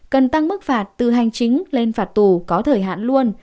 cần tăng mức phạt từ hành chính lên phạt tù có thời hạn luôn